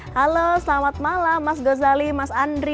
halo selamat malam mas ghazali mas andri